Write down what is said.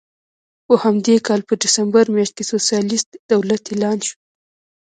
په همدې کال په ډسمبر میاشت کې سوسیالېست دولت اعلان شو.